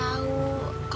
kalau kamu gak mencoba